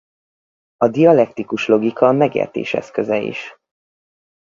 A dialektikus logika a megértés eszköze is.